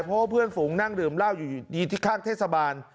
เพราะเพื่อนฝุงนั่งรึมลาวอยู่ที่ฆ่าเทศบาล